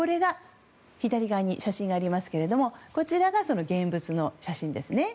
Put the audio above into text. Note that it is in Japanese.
左側に写真がありますけれども現物の写真ですね。